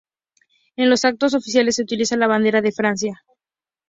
En los actos oficiales se utiliza la bandera de Francia.